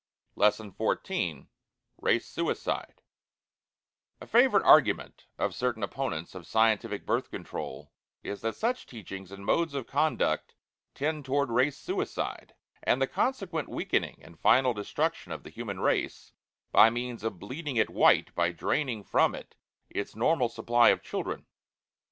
LESSON XIV RACE SUICIDE A favorite argument of certain opponents of scientific Birth Control is that such teachings and modes of conduct tend toward Race Suicide, and the consequent weakening and final destruction of the human race by means of "bleeding it white" by draining from it its normal supply of children.